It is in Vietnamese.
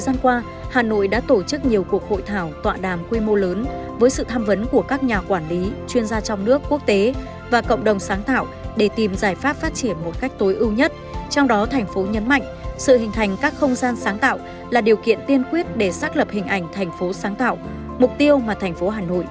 cái thứ hai nữa là chúng tôi cũng đang có cái nhu cầu